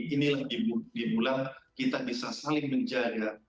inilah di bulan kita bisa saling menjaga